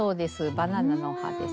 「バナナの葉」です。